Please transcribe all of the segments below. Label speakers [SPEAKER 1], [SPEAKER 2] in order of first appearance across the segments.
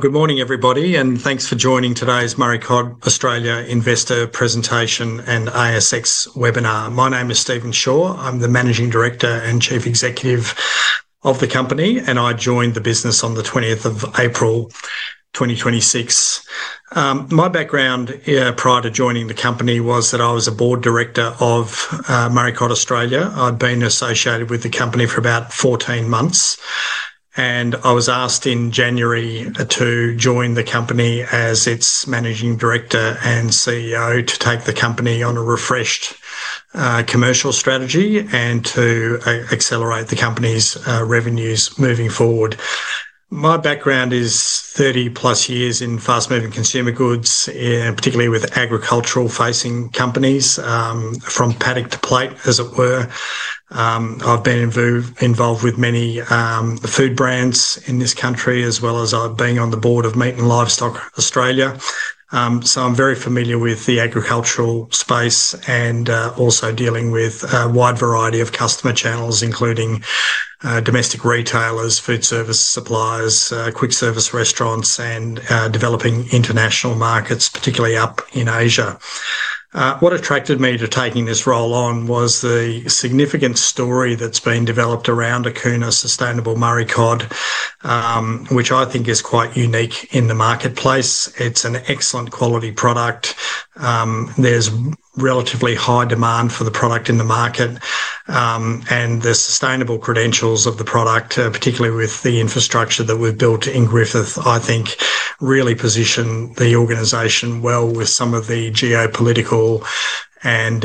[SPEAKER 1] Good morning, everybody, thanks for joining today's Murray Cod Australia Investor Presentation and ASX webinar. My name is Steven Chaur. I am the Managing Director and Chief Executive of the company. I joined the business on April 20th, 2026. My background, yeah, prior to joining the company was that I was a board director of Murray Cod Australia. I'd been associated with the company for about 14 months. I was asked in January to join the company as its Managing Director and CEO to take the company on a refreshed commercial strategy and to accelerate the company's revenues moving forward. My background is 30+ years in fast-moving consumer goods, particularly with agricultural-facing companies, from paddock to plate, as it were. I've been involved with many food brands in this country, as well as being on the board of Meat & Livestock Australia. I'm very familiar with the agricultural space and also dealing with a wide variety of customer channels, including domestic retailers, food service suppliers, quick service restaurants, and developing international markets, particularly up in Asia. What attracted me to taking this role on was the significant story that's been developed around Aquna Sustainable Murray Cod, which I think is quite unique in the marketplace. It's an excellent quality product. There's relatively high demand for the product in the market. The sustainable credentials of the product, particularly with the infrastructure that we've built in Griffith, I think really position the organization well with some of the geopolitical and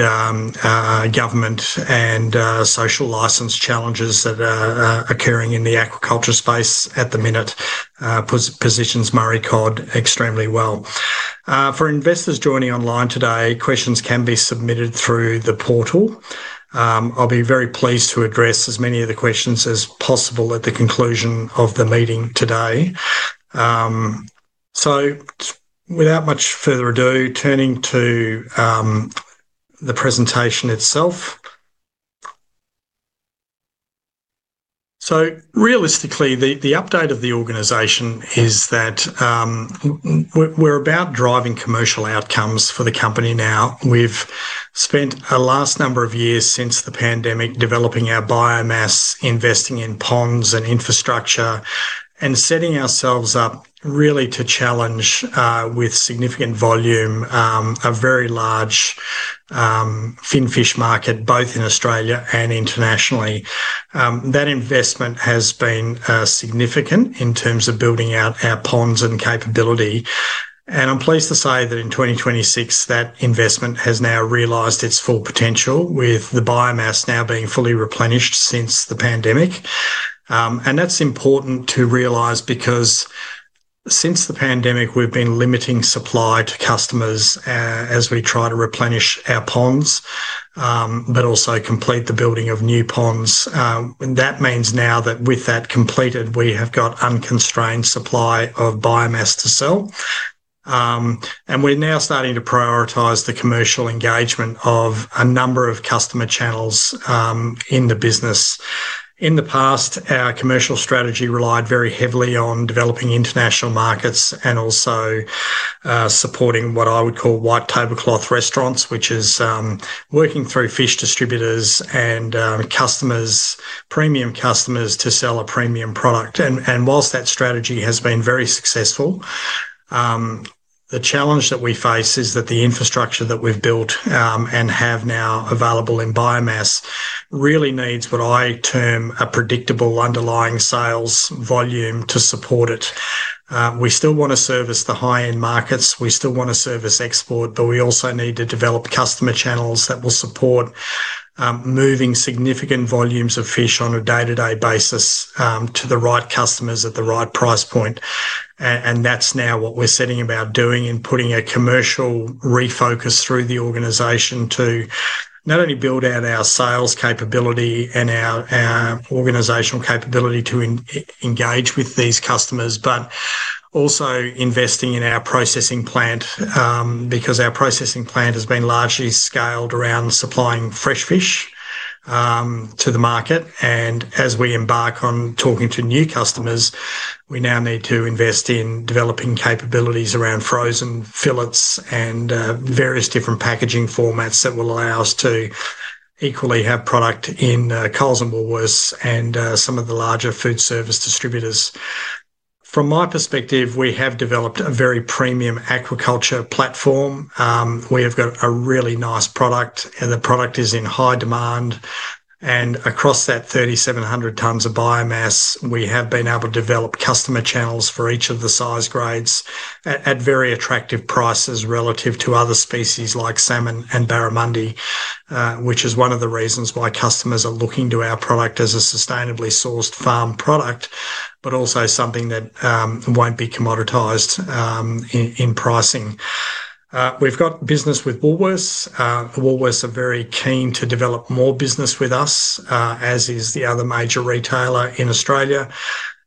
[SPEAKER 1] government and social license challenges that are occurring in the agriculture space at the minute, positions Murray Cod extremely well. For investors joining online today, questions can be submitted through the portal. I'll be very pleased to address as many of the questions as possible at the conclusion of the meeting today. Without much further ado, turning to the presentation itself. Realistically, the update of the organization is that we're about driving commercial outcomes for the company now. We've spent the last number of years since the pandemic developing our biomass, investing in ponds and infrastructure, and setting ourselves up really to challenge with significant volume, a very large finfish market, both in Australia and internationally. That investment has been significant in terms of building out our ponds and capability. I'm pleased to say that in 2026, that investment has now realized its full potential with the biomass now being fully replenished since the pandemic. That's important to realize because since the pandemic, we've been limiting supply to customers as we try to replenish our ponds, but also complete the building of new ponds. That means now that with that completed, we have got unconstrained supply of biomass to sell. We're now starting to prioritize the commercial engagement of a number of customer channels in the business. In the past, our commercial strategy relied very heavily on developing international markets and also supporting what I would call white tablecloth restaurants, which is working through fish distributors and customers, premium customers to sell a premium product. Whilst that strategy has been very successful, the challenge that we face is that the infrastructure that we've built and have now available in biomass really needs what I term a predictable underlying sales volume to support it. We still wanna service the high-end markets. We still wanna service export, we also need to develop customer channels that will support moving significant volumes of fish on a day-to-day basis to the right customers at the right price point. That's now what we're setting about doing and putting a commercial refocus through the organization to not only build out our sales capability and our organizational capability to engage with these customers but also investing in our processing plant because our processing plant has been largely scaled around supplying fresh fish to the market. As we embark on talking to new customers, we now need to invest in developing capabilities around frozen fillets and various different packaging formats that will allow us to equally have product in Coles and Woolworths and some of the larger food service distributors. From my perspective, we have developed a very premium aquaculture platform. We have got a really nice product, and the product is in high demand. Across that 3,700 tons of biomass, we have been able to develop customer channels for each of the size grades at very attractive prices relative to other species like salmon and barramundi, which is one of the reasons why customers are looking to our product as a sustainably sourced farm product, but also something that won't be commoditized in pricing. We've got business with Woolworths. Woolworths are very keen to develop more business with us, as is the other major retailer in Australia.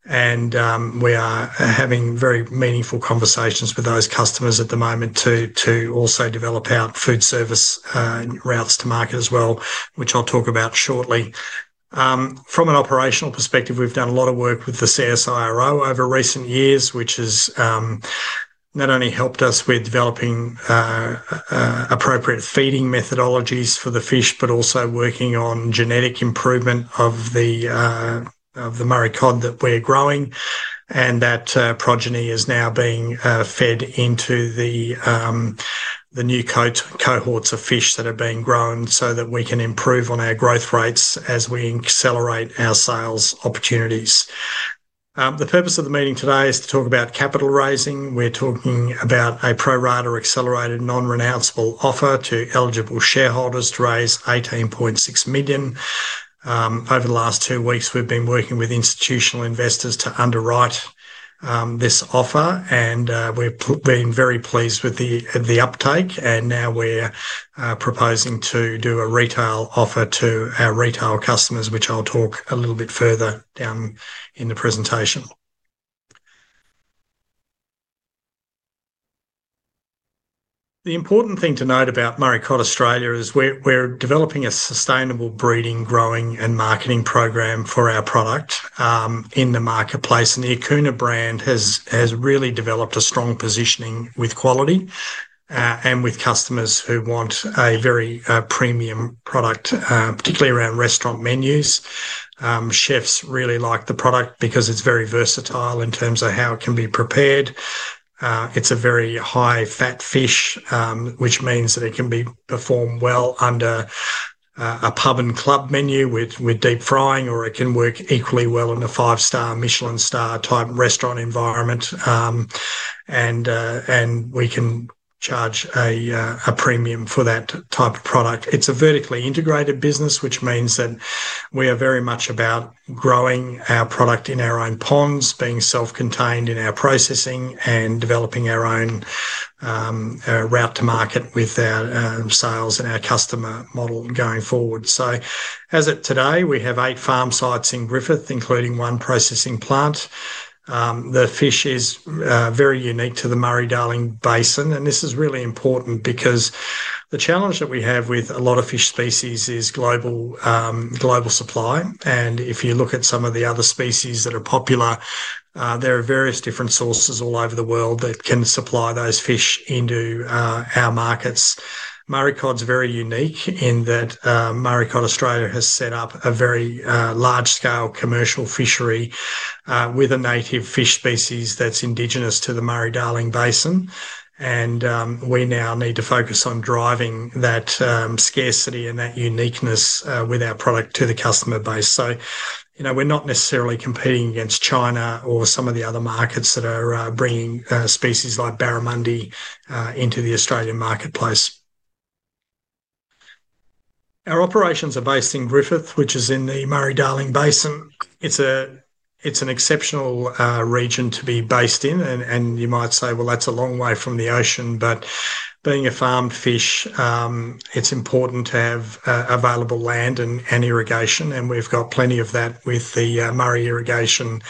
[SPEAKER 1] We are having very meaningful conversations with those customers at the moment to also develop out food service routes to market as well, which I'll talk about shortly. From an operational perspective, we've done a lot of work with the CSIRO over recent years, which has not only helped us with developing appropriate feeding methodologies for the fish, but also working on genetic improvement of the Murray cod that we're growing, and that progeny is now being fed into the new cohorts of fish that are being grown so that we can improve on our growth rates as we accelerate our sales opportunities. The purpose of the meeting today is to talk about capital raising. We're talking about a pro rata accelerated non-renounceable offer to eligible shareholders to raise 18.6 million. Over the last two weeks, we've been working with institutional investors to underwrite this offer, and we've been very pleased with the uptake, and now we're proposing to do a retail offer to our retail customers, which I'll talk a little bit further down in the presentation. The important thing to note about Murray Cod Australia is we're developing a sustainable breeding, growing, and marketing program for our product in the marketplace, and the Aquna brand has really developed a strong positioning with quality and with customers who want a very premium product, particularly around restaurant menus. Chefs really like the product because it's very versatile in terms of how it can be prepared. It's a very high-fat fish, which means that it can be performed well under a pub and club menu with deep-frying, or it can work equally well in a five-star Michelin star type restaurant environment. We can charge a premium for that type of product. It's a vertically integrated business, which means that we are very much about growing our product in our own ponds, being self-contained in our processing, and developing our own route to market with our sales and our customer model going forward. As of today, we have eight farm sites in Griffith, including one processing plant. The fish is very unique to the Murray-Darling Basin, and this is really important because the challenge that we have with a lot of fish species is global supply. If you look at some of the other species that are popular, there are various different sources all over the world that can supply those fish into our markets. Murray cod's very unique in that Murray Cod Australia has set up a very large scale commercial fishery with a native fish species that's indigenous to the Murray-Darling Basin, and we now need to focus on driving that scarcity and that uniqueness with our product to the customer base. You know, we're not necessarily competing against China or some of the other markets that are bringing species like barramundi into the Australian marketplace. Our operations are based in Griffith, which is in the Murray-Darling Basin. It's a, it's an exceptional region to be based in and you might say, "Well, that's a long way from the ocean," but being a farmed fish, it's important to have available land and irrigation, and we've got plenty of that with the Murray Irrigation,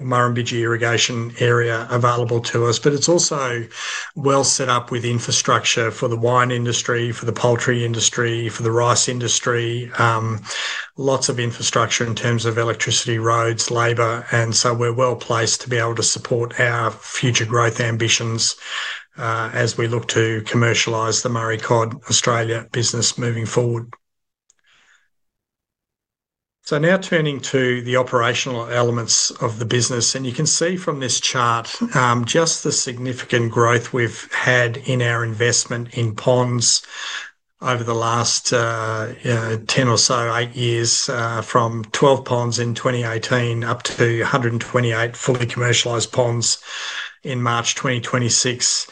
[SPEAKER 1] Murrumbidgee Irrigation Area available to us. It's also well set up with infrastructure for the wine industry, for the poultry industry, for the rice industry. Lots of infrastructure in terms of electricity, roads, labor, and so we're well-placed to be able to support our future growth ambitions, as we look to commercialize the Murray Cod Australia business moving forward. Now turning to the operational elements of the business, and you can see from this chart, just the significant growth we've had in our investment in ponds over the last, yeah, 10 or so, eight years, from 12 ponds in 2018 up to 128 fully commercialized ponds in March 2026.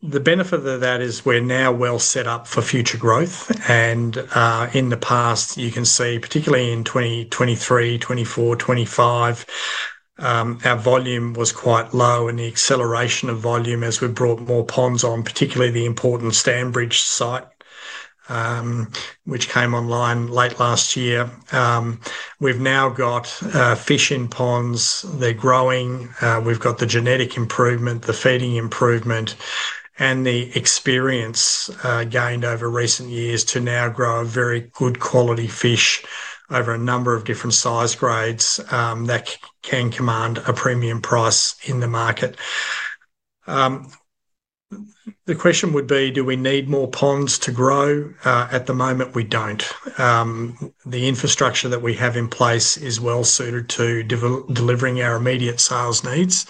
[SPEAKER 1] The benefit of that is we're now well set up for future growth and, in the past, you can see particularly in 2023, 2024, 2025, our volume was quite low and the acceleration of volume as we brought more ponds on, particularly the important Stanbridge site, which came online late last year. We've now got fish in ponds. They're growing. We've got the genetic improvement, the feeding improvement, and the experience gained over recent years to now grow a very good quality fish over a number of different size grades, that can command a premium price in the market. The question would be: Do we need more ponds to grow? At the moment we don't. The infrastructure that we have in place is well-suited to delivering our immediate sales needs.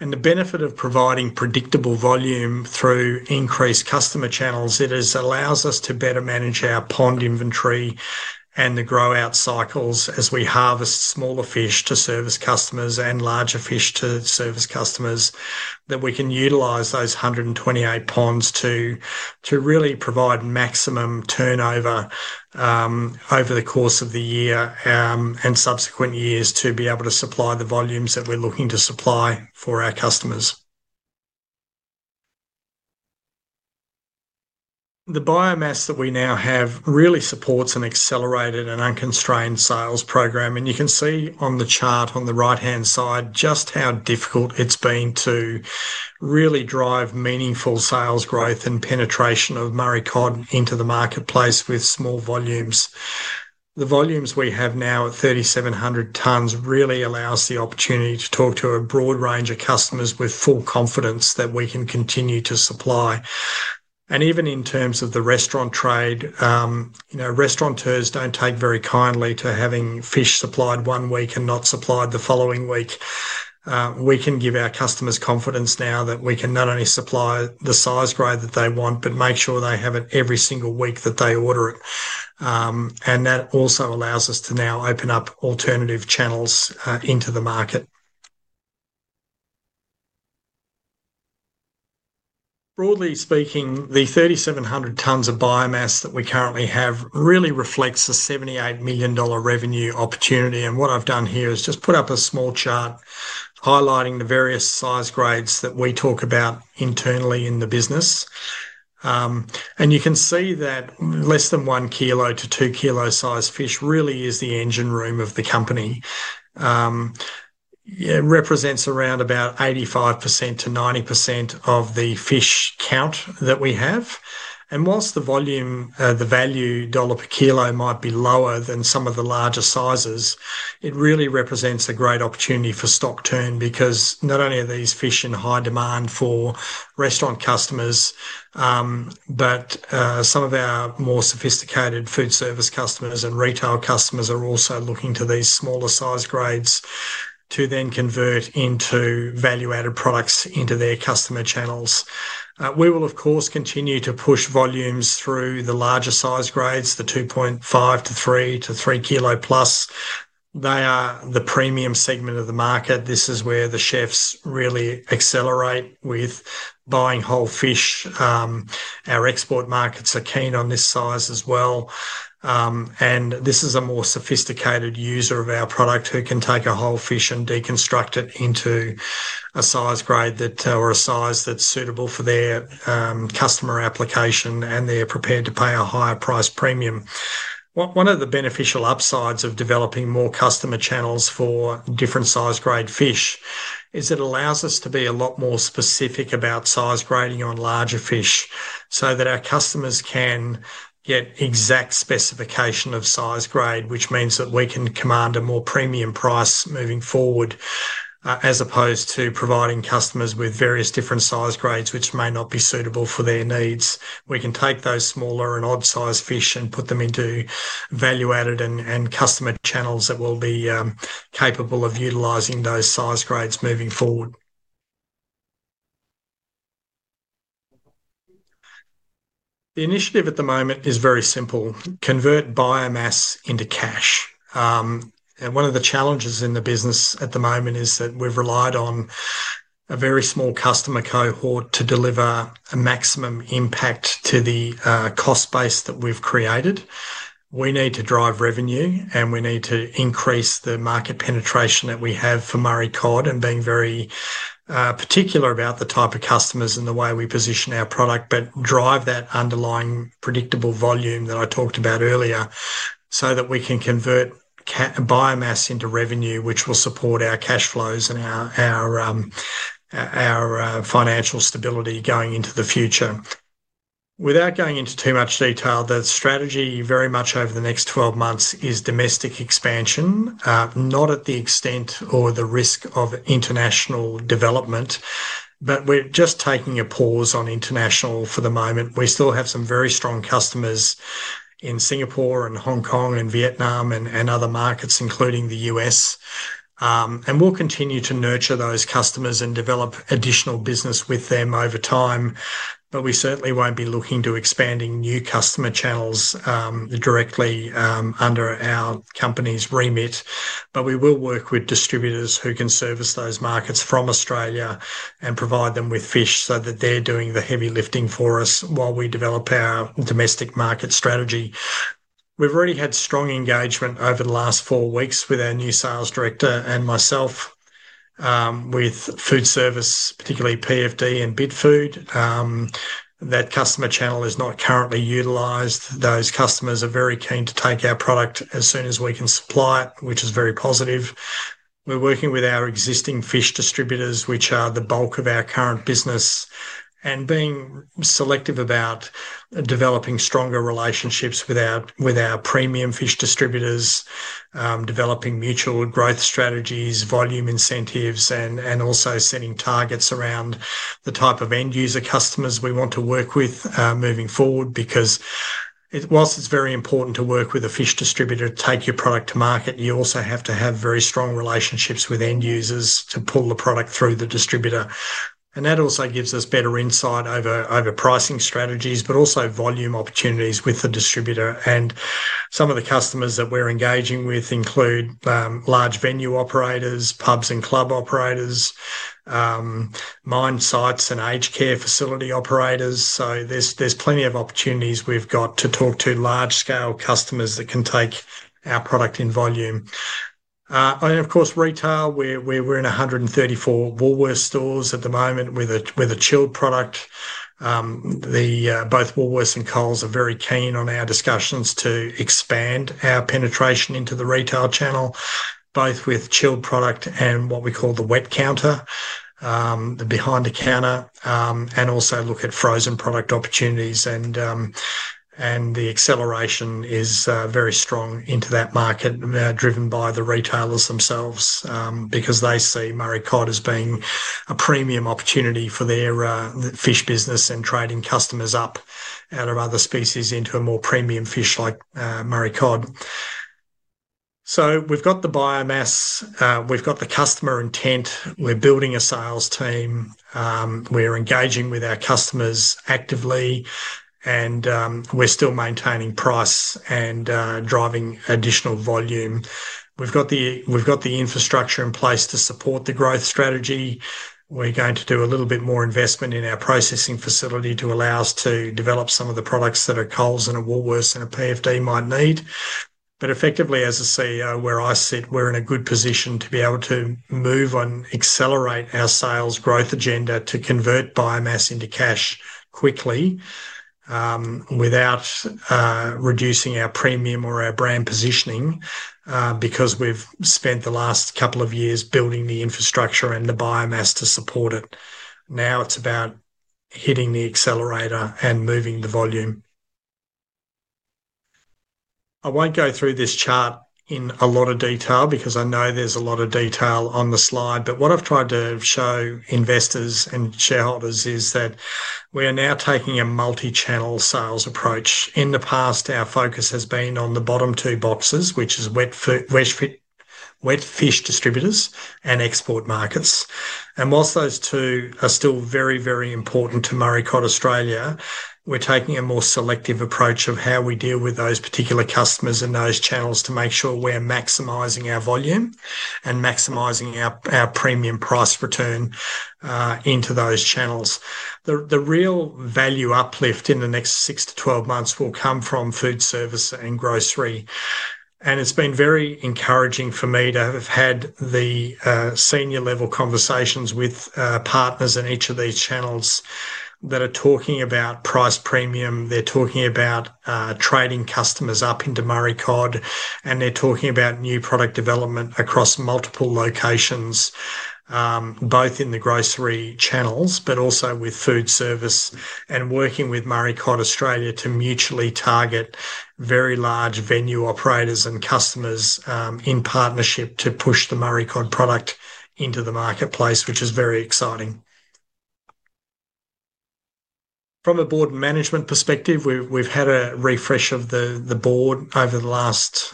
[SPEAKER 1] The benefit of providing predictable volume through increased customer channels, it is allows us to better manage our pond inventory and the grow-out cycles as we harvest smaller fish to service customers and larger fish to service customers, that we can utilize those 128 ponds to really provide maximum turnover over the course of the year and subsequent years to be able to supply the volumes that we're looking to supply for our customers. The biomass that we now have really supports an accelerated and unconstrained sales program. You can see on the chart on the right-hand side just how difficult it's been to really drive meaningful sales growth and penetration of Murray cod into the marketplace with small volumes. The volumes we have now at 3,700 tons really allow the opportunity to talk to a broad range of customers with full confidence that we can continue to supply. Even in terms of the restaurant trade, you know, restaurateurs don't take very kindly to having fish supplied one week and not supplied the following week. We can give our customers confidence now that we can not only supply the size grade that they want, but make sure they have it every single week that they order it. That also allows us to now open up alternative channels into the market. Broadly speaking, the 3,700 tons of biomass that we currently have really reflects the 78 million dollar revenue opportunity. What I've done here is just put up a small chart highlighting the various size grades that we talk about internally in the business. And you can see that less than 1 kl-2 kl sized fish really is the engine room of the company. Yeah, it represents around about 85%-90% of the fish count that we have. Whilst the volume, the value dollar per kilo might be lower than some of the larger sizes, it really represents a great opportunity for stock turn because not only are these fish in high demand for restaurant customers, but some of our more sophisticated food service customers and retail customers are also looking to these smaller size grades to then convert into value-added products into their customer channels. We will of course, continue to push volumes through the larger size grades, the 2.5 to 3 to 3 kl+. They are the premium segment of the market. This is where the chefs really accelerate with buying whole fish. Our export markets are keen on this size as well. This is a more sophisticated user of our product who can take a whole fish and deconstruct it into a size grade that or a size that's suitable for their customer application, and they're prepared to pay a higher price premium. One of the beneficial upsides of developing more customer channels for different size grade fish is it allows us to be a lot more specific about size grading on larger fish so that our customers can get exact specification of size grade, which means that we can command a more premium price moving forward as opposed to providing customers with various different size grades which may not be suitable for their needs. We can take those smaller and odd size fish and put them into value-added and customer channels that will be capable of utilizing those size grades moving forward. The initiative at the moment is very simple: convert biomass into cash. One of the challenges in the business at the moment is that we've relied on a very small customer cohort to deliver a maximum impact to the cost base that we've created. We need to drive revenue, and we need to increase the market penetration that we have for Murray Cod, and being very particular about the type of customers and the way we position our product, but drive that underlying predictable volume that I talked about earlier so that we can convert biomass into revenue, which will support our cash flows and our financial stability going into the future. Without going into too much detail, the strategy very much over the next 12 months is domestic expansion. Not at the extent or the risk of international development, but we're just taking a pause on international for the moment. We still have some very strong customers in Singapore and Hong Kong and Vietnam and other markets, including the U.S. And we'll continue to nurture those customers and develop additional business with them over time. We certainly won't be looking to expanding new customer channels directly under our company's remit. We will work with distributors who can service those markets from Australia and provide them with fish so that they're doing the heavy lifting for us while we develop our domestic market strategy. We've already had strong engagement over the last four weeks with our new sales director and myself with food service, particularly PFD and Bidfood. That customer channel is not currently utilized. Those customers are very keen to take our product as soon as we can supply it, which is very positive. We're working with our existing fish distributors, which are the bulk of our current business, and being selective about developing stronger relationships with our premium fish distributors. Developing mutual growth strategies, volume incentives, and also setting targets around the type of end user customers we want to work with moving forward because whilst it's very important to work with a fish distributor to take your product to market, you also have to have very strong relationships with end users to pull the product through the distributor. That also gives us better insight over pricing strategies, but also volume opportunities with the distributor. Some of the customers that we're engaging with include large venue operators, pubs and club operators, mine sites and aged care facility operators. There's plenty of opportunities we've got to talk to large scale customers that can take our product in volume. Of course, retail, we're in 134 Woolworths stores at the moment with a chilled product. Both Woolworths and Coles are very keen on our discussions to expand our penetration into the retail channel. Both with chilled product and what we call the wet counter, the behind the counter, and also look at frozen product opportunities and the acceleration is very strong into that market, driven by the retailers themselves, because they see Murray cod as being a premium opportunity for their fish business and trading customers up out of other species into a more premium fish like Murray cod. We've got the biomass, we've got the customer intent, we're building a sales team, we're engaging with our customers actively, and we're still maintaining price and driving additional volume. We've got the infrastructure in place to support the growth strategy. We're going to do a little bit more investment in our processing facility to allow us to develop some of the products that a Coles and a Woolworths and a PFD might need. Effectively, as a CEO, where I sit, we're in a good position to be able to move and accelerate our sales growth agenda to convert biomass into cash quickly, without reducing our premium or our brand positioning because we've spent the last couple of years building the infrastructure and the biomass to support it. Now it's about hitting the accelerator and moving the volume. I won't go through this chart in a lot of detail because I know there's a lot of detail on the slide, what I've tried to show investors and shareholders is that we are now taking a multi-channel sales approach. In the past, our focus has been on the bottom two boxes, which is wet fish distributors and export markets. Whilst those two are still very, very important to Murray Cod Australia, we're taking a more selective approach of how we deal with those particular customers and those channels to make sure we're maximizing our volume and maximizing our premium price return into those channels. The real value uplift in the next six to 12 months will come from foodservice and grocery. It's been very encouraging for me to have had the senior level conversations with partners in each of these channels that are talking about price premium, they're talking about trading customers up into Murray Cod, and they're talking about new product development across multiple locations, both in the grocery channels but also with food service and working with Murray Cod Australia to mutually target very large venue operators and customers in partnership to push the Murray Cod product into the marketplace, which is very exciting. From a board and management perspective, we've had a refresh of the board over the last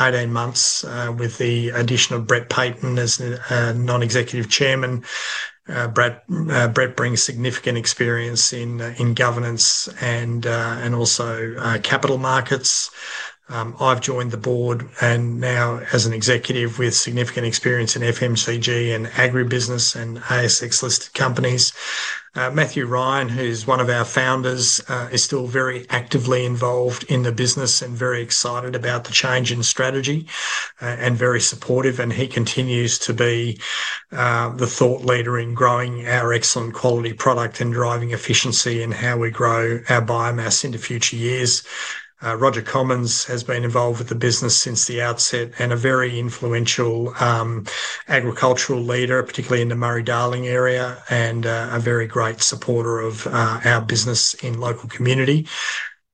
[SPEAKER 1] 18 months with the addition of Brett Paton as Non-Executive Chairman. Brett brings significant experience in governance and also capital markets. I've joined the board and now as an executive with significant experience in FMCG and agribusiness and ASX-listed companies. Mathew Ryan, who's one of our founders, is still very actively involved in the business and very excited about the change in strategy, and very supportive, and he continues to be the thought leader in growing our excellent quality product and driving efficiency in how we grow our biomass into future years. Roger Commins has been involved with the business since the outset and a very influential agricultural leader, particularly in the Murray Darling area, and a very great supporter of our business and local community.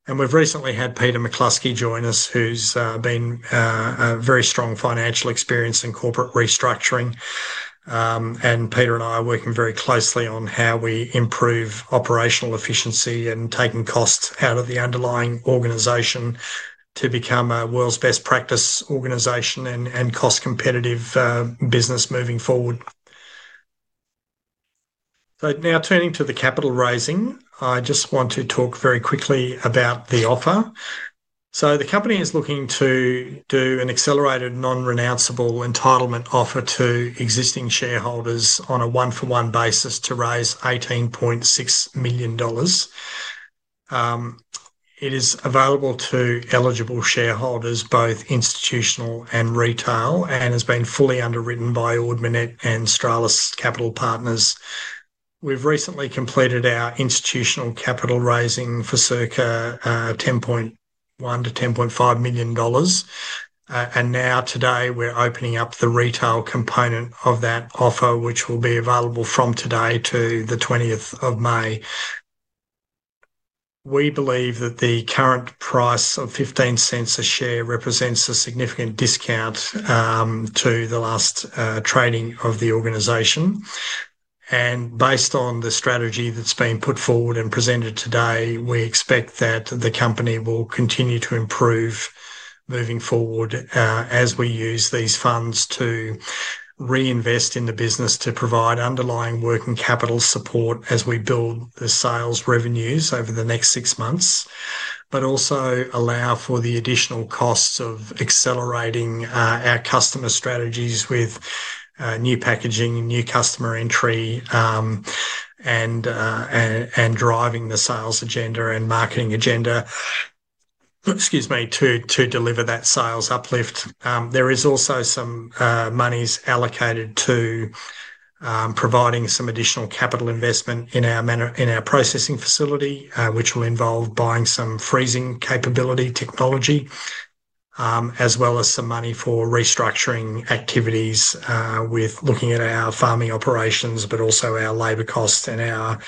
[SPEAKER 1] We've recently had Peter McCluskey join us, who's been a very strong financial experience in corporate restructuring. Peter and I are working very closely on how we improve operational efficiency and taking costs out of the underlying organization to become a world's best practice organization and cost competitive business moving forward. Now turning to the capital raising, I just want to talk very quickly about the offer. The company is looking to do an accelerated non-renounceable entitlement offer to existing shareholders on a one-for-one basis to raise 18.6 million dollars. It is available to eligible shareholders, both institutional and retail, and has been fully underwritten by Ord Minnett and Stralis Capital Partners. We've recently completed our institutional capital raising for circa 10.1 million-10.5 million dollars. Now today we're opening up the retail component of that offer, which will be available from today to May 20th. We believe that the current price of 0.15 a share represents a significant discount to the last trading of the organization. Based on the strategy that's been put forward and presented today, we expect that the company will continue to improve moving forward as we use these funds to reinvest in the business to provide underlying working capital support as we build the sales revenues over the next six months. Also allow for the additional costs of accelerating our customer strategies with new packaging, new customer entry, and driving the sales agenda and marketing agenda, excuse me, to deliver that sales uplift. There is also some monies allocated to providing some additional capital investment in our processing facility, which will involve buying some freezing capability technology. As well as some money for restructuring activities, with looking at our farming operations, but also our labor costs and our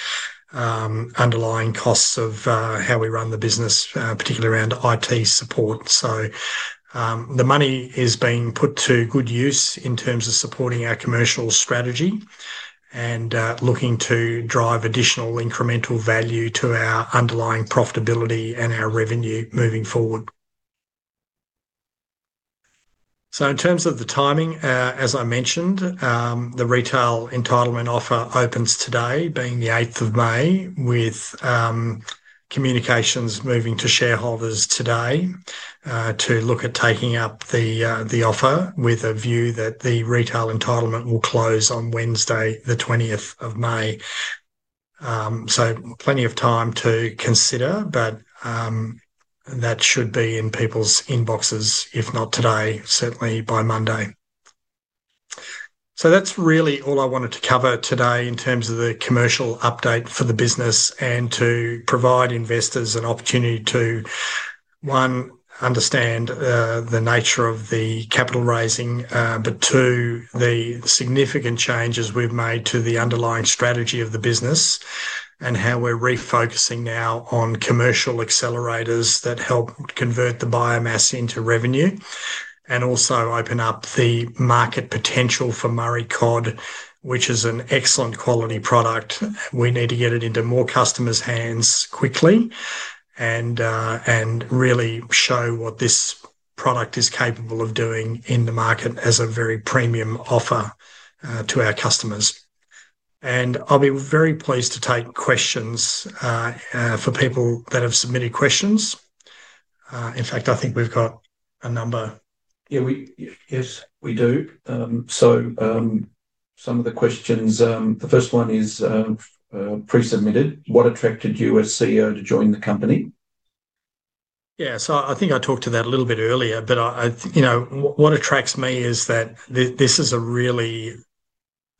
[SPEAKER 1] underlying costs of how we run the business, particularly around IT support. The money is being put to good use in terms of supporting our commercial strategy and looking to drive additional incremental value to our underlying profitability and our revenue moving forward. In terms of the timing, as I mentioned, the retail entitlement offer opens today, being May 8th, with communications moving to shareholders today, to look at taking up the offer with a view that the retail entitlement will close on Wednesday May 20th. Plenty of time to consider, but that should be in people's inboxes, if not today, certainly by Monday. That's really all I wanted to cover today in terms of the commercial update for the business and to provide investors an opportunity to, one, understand the nature of the capital raising, but two, the significant changes we've made to the underlying strategy of the business and how we're refocusing now on commercial accelerators that help convert the biomass into revenue and also open up the market potential for Murray cod, which is an excellent quality product. We need to get it into more customers' hands quickly and really show what this product is capable of doing in the market as a very premium offer to our customers. I'll be very pleased to take questions for people that have submitted questions. In fact, I think we've got a number.
[SPEAKER 2] Yeah, yes, we do. Some of the questions, the first one is pre-submitted. What attracted you as CEO to join the company?
[SPEAKER 1] Yeah. I think I talked to that a little bit earlier, but I know, what attracts me is that this is a really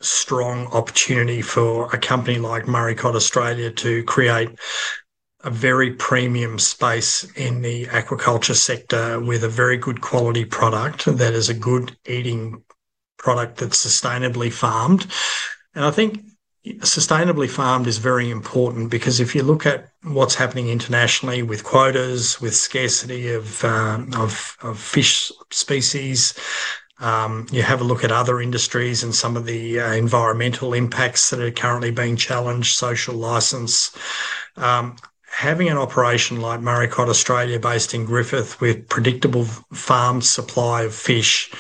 [SPEAKER 1] strong opportunity for a company like Murray Cod Australia to create a very premium space in the aquaculture sector with a very good quality product that is a good eating product that's sustainably farmed. I think sustainably farmed is very important because if you look at what's happening internationally with quotas, with scarcity of fish species, you have a look at other industries and some of the environmental impacts that are currently being challenged, social license. Having an operation like Murray Cod Australia based in Griffith with predictable farm supply of fish,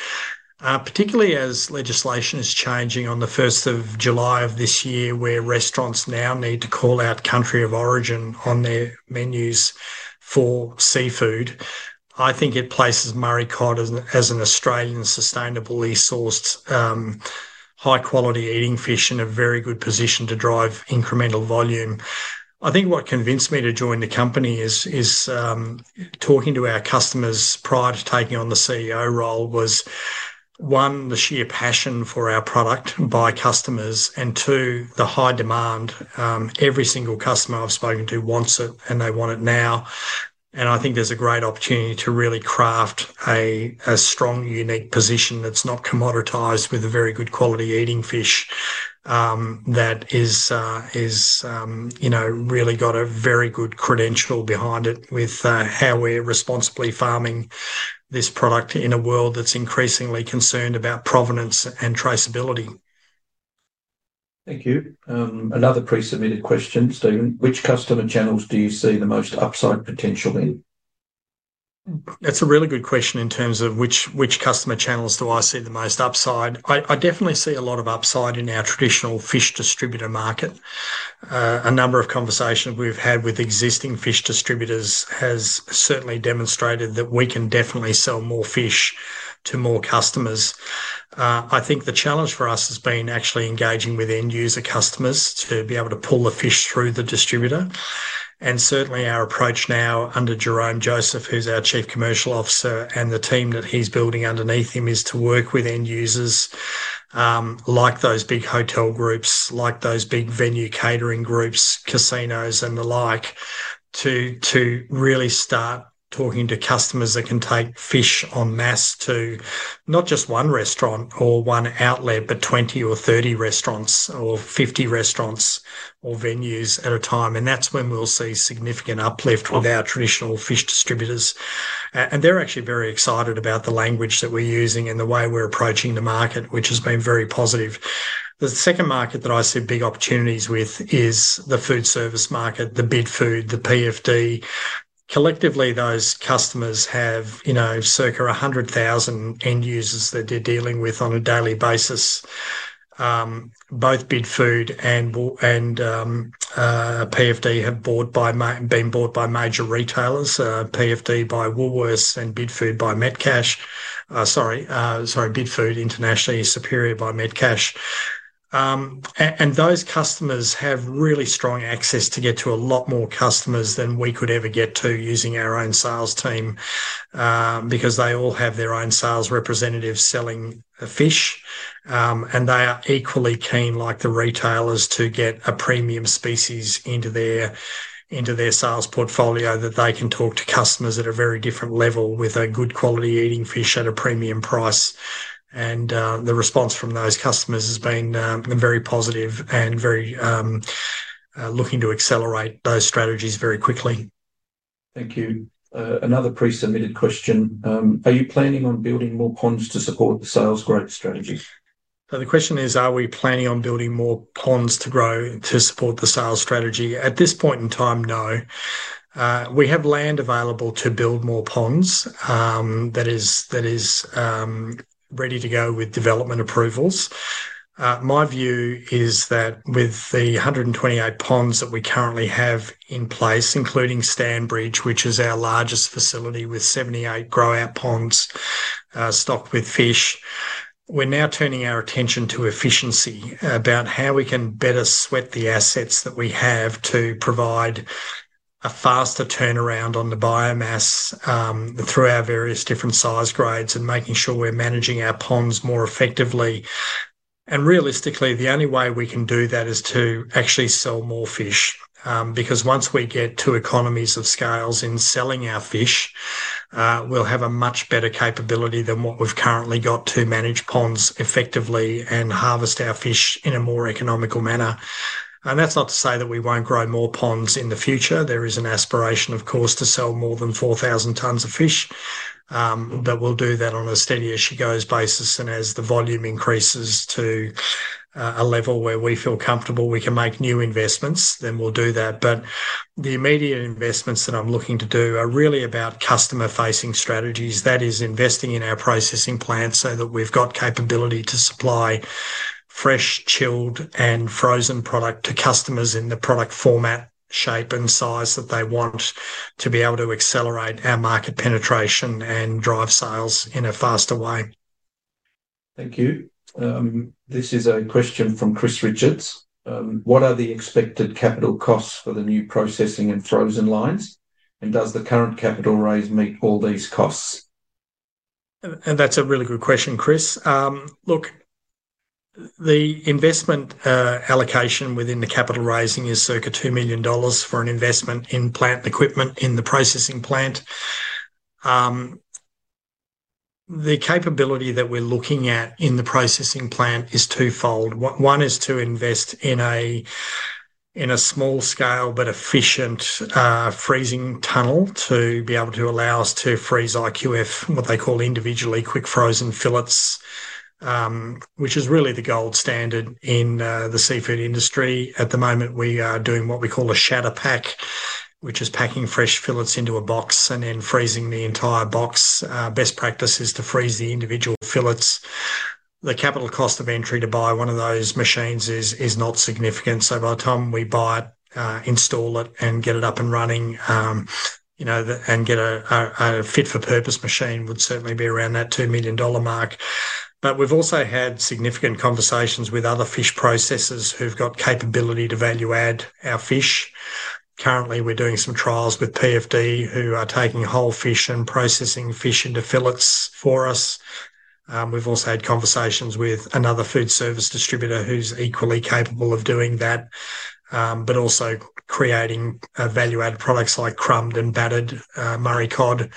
[SPEAKER 1] particularly as legislation is changing on July 1st, this year, where restaurants now need to call out country of origin on their menus for seafood, I think it places Murray cod as an Australian sustainably sourced, high quality eating fish in a very good position to drive incremental volume. I think what convinced me to join the company is, talking to our customers prior to taking on the CEO role was, one, the sheer passion for our product by customers and, two, the high demand. Every single customer I've spoken to wants it and they want it now. I think there's a great opportunity to really craft a strong, unique position that's not commoditized with a very good quality eating fish, that is, you know, really got a very good credential behind it with, how we're responsibly farming this product in a world that's increasingly concerned about provenance and traceability.
[SPEAKER 2] Thank you. Another pre-submitted question, Steven. Which customer channels do you see the most upside potential in?
[SPEAKER 1] That's a really good question in terms of which customer channels do I see the most upside. I definitely see a lot of upside in our traditional fish distributor market. A number of conversations we've had with existing fish distributors has certainly demonstrated that we can definitely sell more fish to more customers. I think the challenge for us has been actually engaging with end user customers to be able to pull the fish through the distributor. Certainly our approach now under Jerome Joseph, who's our Chief Commercial Officer, and the team that he's building underneath him, is to work with end users, like those big hotel groups, like those big venue catering groups, casinos and the like, to really start talking to customers that can take fish on mass to not just one restaurant or one outlet, but 20 or 30 restaurants or 50 restaurants or venues at a time. That's when we'll see significant uplift with our traditional fish distributors. They're actually very excited about the language that we're using and the way we're approaching the market, which has been very positive. The second market that I see big opportunities with is the food service market, the Bidfood, the PFD. Collectively, those customers have, you know, circa 100,000 end users that they're dealing with on a daily basis. Both Bidfood and PFD have been bought by major retailers, PFD by Woolworths and Bidfood by Metcash. Sorry, Bidfood internationally, Superior by Metcash. Those customers have really strong access to get to a lot more customers than we could ever get to using our own sales team, because they all have their own sales representatives selling fish. They are equally keen, like the retailers, to get a premium species into their, into their sales portfolio that they can talk to customers at a very different level with a good quality eating fish at a premium price. The response from those customers has been very positive and very looking to accelerate those strategies very quickly.
[SPEAKER 2] Thank you. Another pre-submitted question. Are you planning on building more ponds to support the sales growth strategy?
[SPEAKER 1] The question is, are we planning on building more ponds to grow, to support the sales strategy? At this point in time, no. We have land available to build more ponds that is ready to go with development approvals. My view is that with the 128 ponds that we currently have in place, including Stanbridge, which is our largest facility with 78 grow-out ponds, stocked with fish, we're now turning our attention to efficiency about how we can better sweat the assets that we have to provide a faster turnaround on the biomass through our various different size grades, and making sure we're managing our ponds more effectively. Realistically, the only way we can do that is to actually sell more fish. Because once we get to economies of scales in selling our fish, we'll have a much better capability than what we've currently got to manage ponds effectively and harvest our fish in a more economical manner. That's not to say that we won't grow more ponds in the future. There is an aspiration, of course, to sell more than 4,000 tons of fish. We'll do that on a steady as she goes basis, and as the volume increases to a level where we feel comfortable we can make new investments, then we'll do that. The immediate investments that I'm looking to do are really about customer-facing strategies. That is investing in our processing plant so that we've got capability to supply fresh, chilled, and frozen product to customers in the product format, shape, and size that they want to be able to accelerate our market penetration and drive sales in a faster way.
[SPEAKER 2] Thank you. This is a question from Chris Richards. What are the expected capital costs for the new processing and frozen lines? Does the current capital raise meet all these costs?
[SPEAKER 1] That's a really good question, Chris. Look, the investment allocation within the capital raising is circa 2 million dollars for an investment in plant equipment in the processing plant. The capability that we're looking at in the processing plant is twofold. One is to invest in a small scale but efficient freezing tunnel to be able to allow us to freeze IQF, what they call individually quick frozen fillets, which is really the gold standard in the seafood industry. At the moment, we are doing what we call a Shatter Pack, which is packing fresh fillets into a box and then freezing the entire box. Best practice is to freeze the individual fillets. The capital cost of entry to buy one of those machines is not significant. By the time we buy it, install it, and get it up and running, you know, get a fit for purpose machine would certainly be around that 2 million dollar mark. We've also had significant conversations with other fish processors who've got capability to value add our fish. Currently, we're doing some trials with PFD, who are taking whole fish and processing fish into fillets for us. We've also had conversations with another food service distributor who's equally capable of doing that, but also creating value-added products like crumbed and battered Murray cod,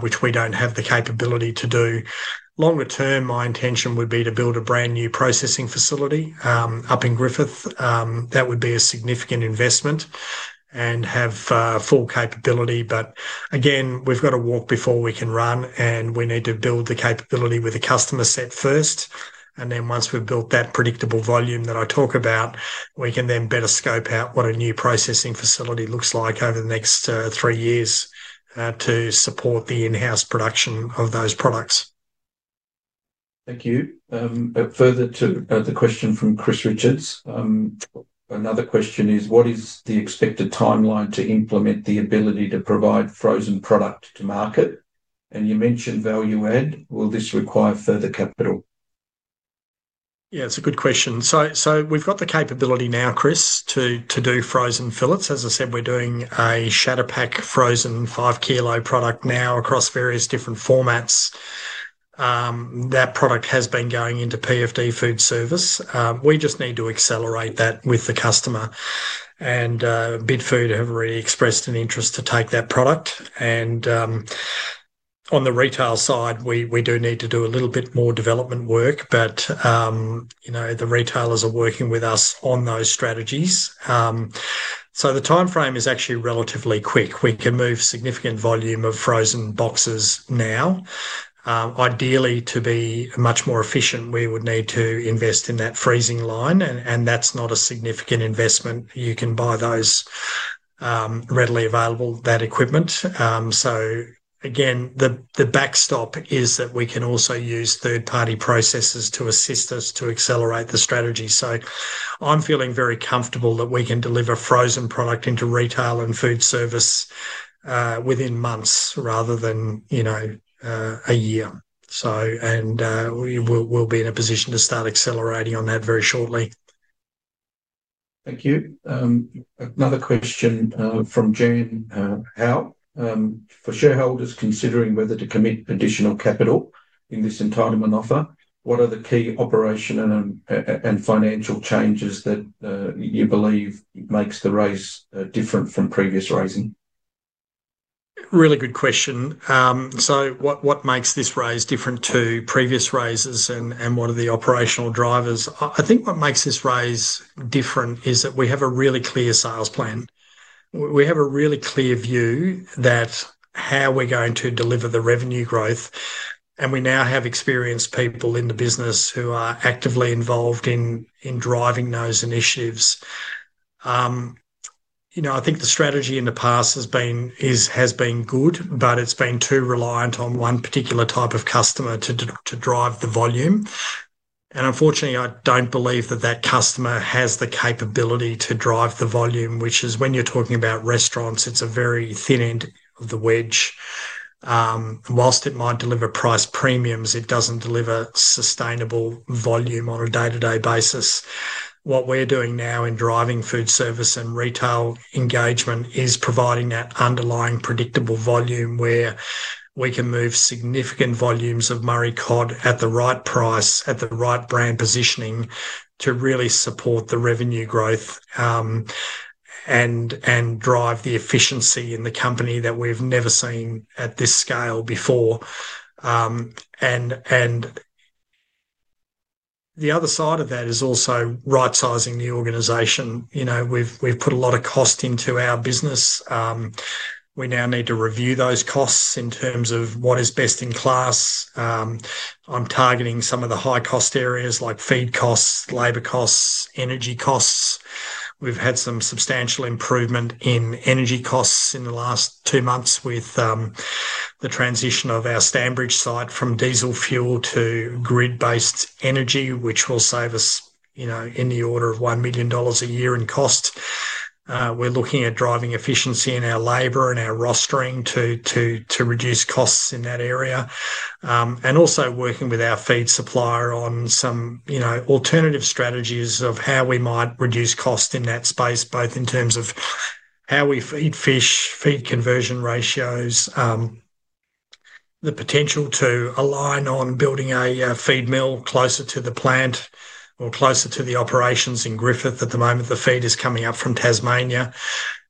[SPEAKER 1] which we don't have the capability to do. Longer term, my intention would be to build a brand-new processing facility up in Griffith. That would be a significant investment and have full capability. Again, we've got to walk before we can run, and we need to build the capability with the customer set first. Then once we've built that predictable volume that I talk about, we can then better scope out what a new processing facility looks like over the next three years to support the in-house production of those products.
[SPEAKER 2] Thank you. Further to the question from Chris Richards, another question is, what is the expected timeline to implement the ability to provide frozen product to market? You mentioned value add. Will this require further capital?
[SPEAKER 1] Yeah, it's a good question. We've got the capability now, Chris, to do frozen fillets. As I said, we're doing a Shatter Pack frozen 5 kl product now across various different formats. That product has been going into PFD Food Services. We just need to accelerate that with the customer. Bidfood have already expressed an interest to take that product. On the retail side, we do need to do a little bit more development work but, you know, the retailers are working with us on those strategies. The timeframe is actually relatively quick. We can move significant volume of frozen boxes now. Ideally to be much more efficient, we would need to invest in that freezing line and that's not a significant investment. You can buy those readily available, that equipment. Again, the backstop is that we can also use third-party processors to assist us to accelerate the strategy. I'm feeling very comfortable that we can deliver frozen product into retail and food service within months rather than, you know, a year. We'll be in a position to start accelerating on that very shortly.
[SPEAKER 2] Thank you. Another question from Jan Howe. For shareholders considering whether to commit additional capital in this entitlement offer, what are the key operation and financial changes that you believe makes the raise different from previous raising?
[SPEAKER 1] Really good question. What makes this raise different to previous raises and what are the operational drivers? I think what makes this raise different is that we have a really clear sales plan. We have a really clear view that how we're going to deliver the revenue growth, and we now have experienced people in the business who are actively involved in driving those initiatives. You know, I think the strategy in the past has been good, but it's been too reliant on one particular type of customer to drive the volume, and unfortunately I don't believe that that customer has the capability to drive the volume, which is when you're talking about restaurants, it's a very thin end of the wedge. Whilst it might deliver price premiums, it doesn't deliver sustainable volume on a day-to-day basis. What we're doing now in driving food service and retail engagement is providing that underlying predictable volume where we can move significant volumes of Murray cod at the right price, at the right brand positioning to really support the revenue growth, and drive the efficiency in the company that we've never seen at this scale before. And the other side of that is also right-sizing the organization. You know, we've put a lot of cost into our business. We now need to review those costs in terms of what is best in class. I'm targeting some of the high-cost areas like feed costs, labor costs, energy costs. We've had some substantial improvement in energy costs in the last two months with the transition of our Stanbridge site from diesel fuel to grid-based energy, which will save us, you know, in the order of 1 million dollars a year in cost. We're looking at driving efficiency in our labor and our rostering to reduce costs in that area. Also working with our feed supplier on some, you know, alternative strategies of how we might reduce cost in that space, both in terms of how we feed fish, feed conversion ratios, the potential to align on building a feed mill closer to the plant or closer to the operations in Griffith. At the moment the feed is coming up from Tasmania,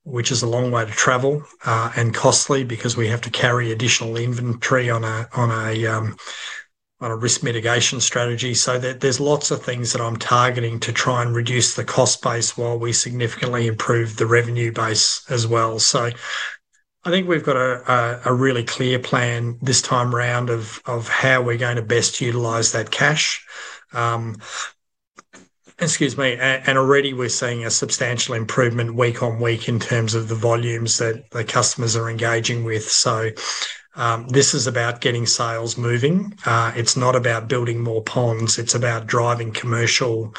[SPEAKER 1] which is a long way to travel, and costly because we have to carry additional inventory on a risk mitigation strategy. There's lots of things that I'm targeting to try and reduce the cost base while we significantly improve the revenue base as well. I think we've got a really clear plan this time around of how we're going to best utilize that cash. Excuse me. Already we're seeing a substantial improvement week on week in terms of the volumes that the customers are engaging with. This is about getting sales moving. It's not about building more ponds. It's about driving commercial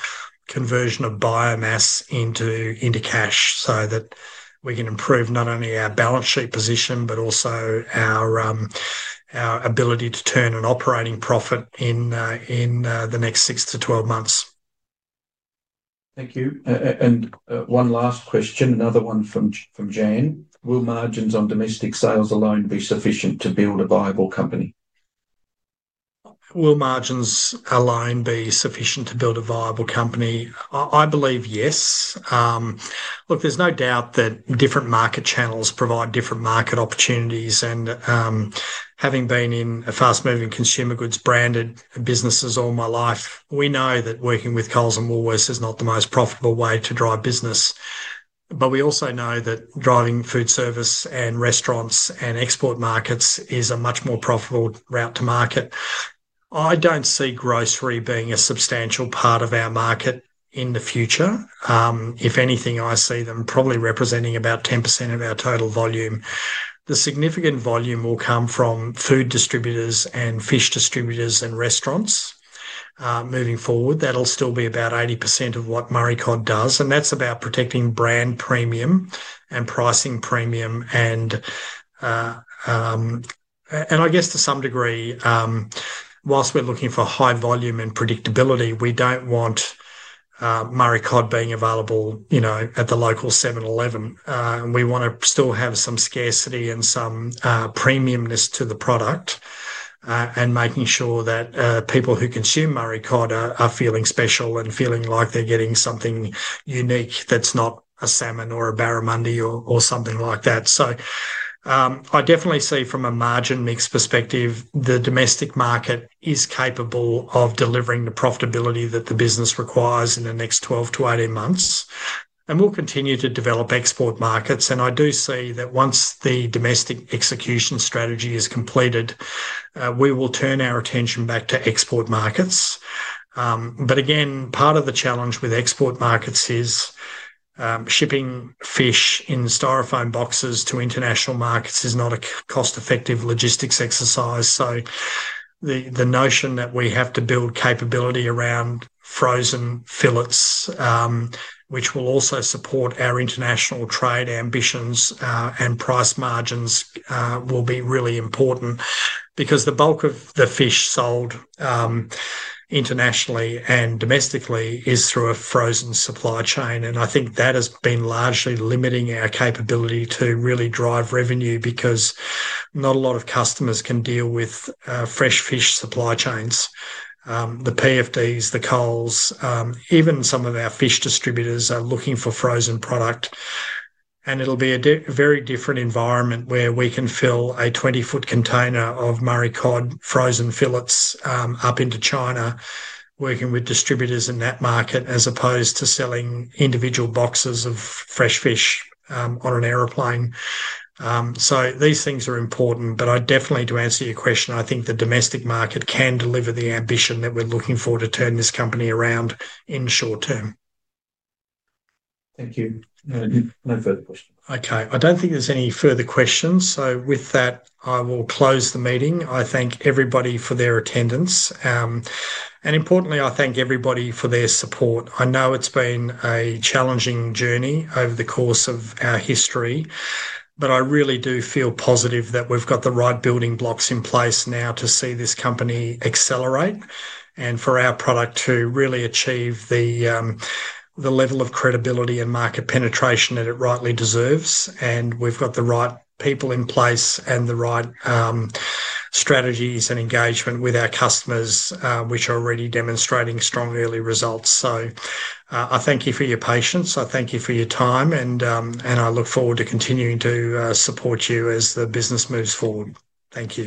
[SPEAKER 1] conversion of biomass into cash so that we can improve not only our balance sheet position, but also our ability to turn an operating profit in the next six to 12 months.
[SPEAKER 2] Thank you. One last question, another one from Jan. Will margins on domestic sales alone be sufficient to build a viable company?
[SPEAKER 1] Will margins alone be sufficient to build a viable company? I believe yes. Look, there's no doubt that different market channels provide different market opportunities and, having been in a fast-moving consumer goods branded businesses all my life, we know that working with Coles and Woolworths is not the most profitable way to drive business. We also know that driving food service and restaurants and export markets is a much more profitable route to market. I don't see grocery being a substantial part of our market in the future. If anything, I see them probably representing about 10% of our total volume. The significant volume will come from food distributors and fish distributors and restaurants moving forward. That'll still be about 80% of what Murray Cod does, and that's about protecting brand premium and pricing premium. I guess to some degree, whilst we're looking for high volume and predictability, we don't want Murray cod being available, you know, at the local 7-Eleven. We want to still have some scarcity and some premium-ness to the product, and making sure that people who consume Murray cod are feeling special and feeling like they're getting something unique that's not a salmon or a barramundi or something like that. I definitely see from a margin mix perspective, the domestic market is capable of delivering the profitability that the business requires in the next 12 to 18 months, and we'll continue to develop export markets. I do see that once the domestic execution strategy is completed, we will turn our attention back to export markets. Again, part of the challenge with export markets is, shipping fish in styrofoam boxes to international markets is not a cost-effective logistics exercise. The notion that we have to build capability around frozen fillets, which will also support our international trade ambitions, and price margins, will be really important because the bulk of the fish sold internationally and domestically is through a frozen supply chain. I think that has been largely limiting our capability to really drive revenue because not a lot of customers can deal with fresh fish supply chains. The PFDs, the Coles, even some of our fish distributors are looking for frozen product, and it'll be a very different environment where we can fill a 20-foot container of Murray cod frozen fillets up into China, working with distributors in that market as opposed to selling individual boxes of fresh fish on an airplane. These things are important, but I definitely, to answer your question, I think the domestic market can deliver the ambition that we're looking for to turn this company around in short term.
[SPEAKER 2] Thank you. No further questions.
[SPEAKER 1] Okay. I don't think there's any further questions, with that I will close the meeting. I thank everybody for their attendance. Importantly, I thank everybody for their support. I know it's been a challenging journey over the course of our history, I really do feel positive that we've got the right building blocks in place now to see this company accelerate and for our product to really achieve the level of credibility and market penetration that it rightly deserves. We've got the right people in place and the right strategies and engagement with our customers, which are already demonstrating strong early results. I thank you for your patience. I thank you for your time, I look forward to continuing to support you as the business moves forward. Thank you